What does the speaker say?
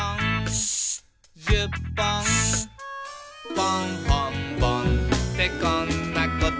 「ぽんほんぼんってこんなこと」